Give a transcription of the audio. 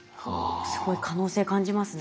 すごい可能性感じますね。